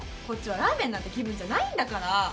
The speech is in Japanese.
こっちはラーメンなんて気分じゃないんだから。